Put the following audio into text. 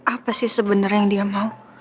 apa sih sebenarnya yang dia mau